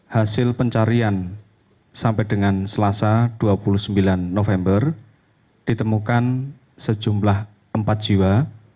hasil pencarian sampai dengan selasa dua puluh sembilan november ditemukan sejumlah empat jiwa